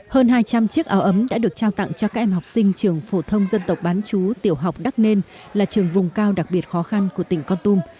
hơn hai trăm linh chiếc áo ấm đã được trao tặng cho các em học sinh trường phổ thông dân tộc bán chú tiểu học đắc nên là trường vùng cao đặc biệt khó khăn của tỉnh con tum